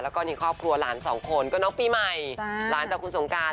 แล้วก็มีครอบครัวหลานสองคนก็น้องปีใหม่หลานจากคุณสงการ